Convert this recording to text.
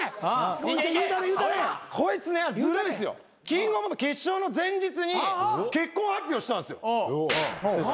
キングオブコント決勝の前日に結婚発表したんすよ。